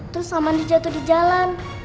terus amanda jatuh di jalan